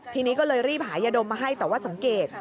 ทีนี้ก็เลยรีบหายาดมมาให้แต่ว่าสังเกต